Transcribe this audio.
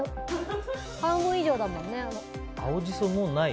半分以上だもんね。